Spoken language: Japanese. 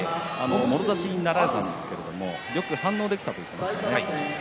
もろ差しになられましたがよく反応できたと言っていました。